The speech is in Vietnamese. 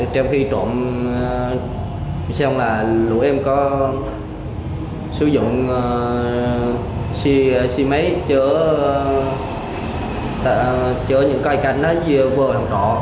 trong khi trộm xong là lũ em có sử dụng xe máy chữa những coi cánh vừa đồng trọ